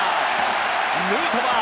ヌートバー